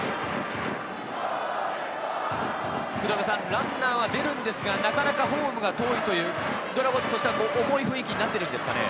ランナーは出るんですが、なかなかホームが遠いというドラゴンズとしては重い雰囲気になってるんですかね。